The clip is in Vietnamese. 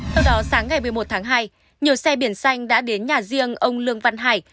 theo đó sáng ngày một mươi một tháng hai nhiều xe biển xanh đã đến nhà riêng ông lương văn hải